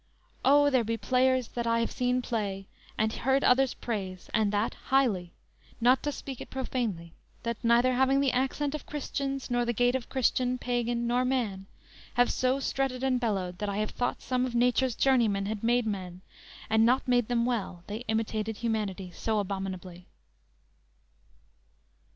O, there be players that I have seen play, And heard others praise, and that highly, Not to speak it profanely, that neither Having the accent of Christians nor the Gait of Christian, pagan, nor man, have so Strutted and bellowed, that I have thought Some of nature's journeymen had made men, And not made them well, they imitated Humanity so abominably!"